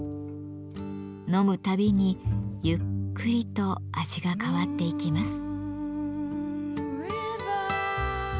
飲むたびにゆっくりと味が変わっていきます。